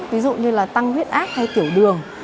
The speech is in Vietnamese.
ví dụ như là tăng huyết áp hay tiểu đường